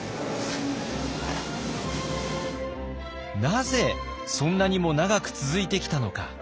なぜそんなにも長く続いてきたのか。